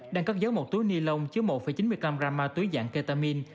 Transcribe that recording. đang cất giấu một túi ni lông chứa một chín mươi năm gram ma túy dạng ketamine